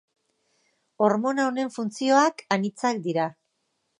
Hormona honen funtzioak anitzak dira.